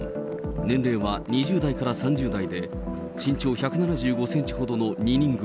年齢は２０代から３０代で、身長１７５センチほどの２人組。